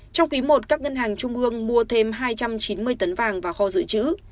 trong quý i các ngân hàng trung ương mua thêm hai trăm chín mươi tấn vàng và kho dự trữ